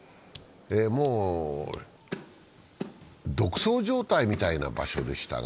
もう独走状態みたいな場所でしたが、